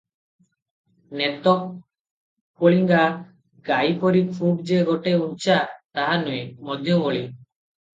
ନେତ କଳିଙ୍ଗା ଗାଈ ପରି ଖୁବ୍ ଯେ ଗୋଟାଏ ଉଞ୍ଚା, ତାହା ନୁହେଁ, ମଧ୍ୟଭଳି ।